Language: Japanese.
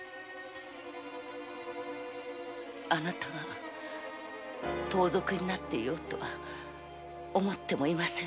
あなたが盗賊になっていようとは思ってもいませんでした。